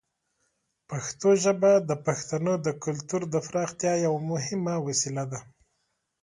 پښتو ژبه د پښتنو د کلتور د پراختیا یوه مهمه وسیله ده.